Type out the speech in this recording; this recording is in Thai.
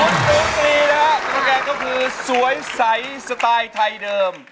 นุตรีนะโซโลแกนคือสวยใสสไตล์ไทยเดิม